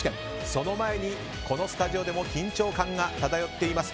その前にこのスタジオでも緊張感が漂っています。